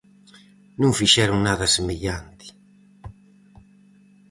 Non fixeron nada semellante.